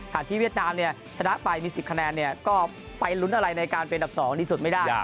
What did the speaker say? ที่เวียดนามชนะไปมี๑๐คะแนนก็ไปลุ้นอะไรในการเป็นดับ๒ดีสุดไม่ได้